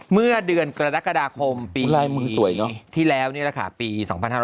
เมื่อเดือนกระดาษกระดาคมปีที่แล้วปี๒๕๖๒